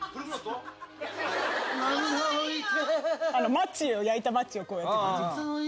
マッチを焼いたマッチをこうやって。